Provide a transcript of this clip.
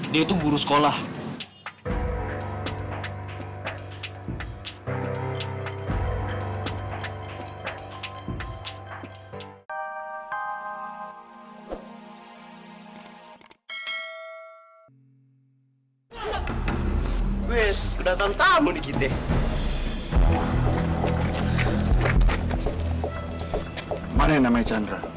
dia itu guru sekolah